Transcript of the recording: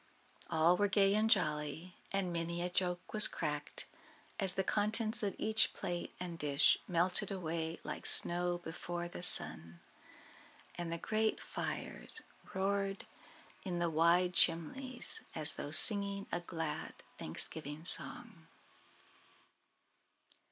All were gay and jolly, and many a joke was cracked as the contents of each plate and dish melted away like snow before the sun; and the great fires roared in the wide chimneys as though singing a glad Thanksgiving song.